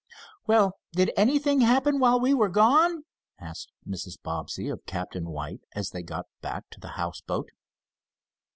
"Well, did anything happen while we were gone?" asked Mrs. Bobbsey of Captain White, as they got back to the houseboat.